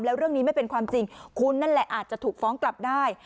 แล้วเรื่องนี้ไม่เป็นความจริงคุณนั่นแหละอาจจะถูกฟ้องกลับได้